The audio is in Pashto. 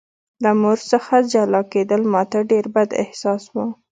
له مور څخه جلا کېدل ماته ډېر بد احساس و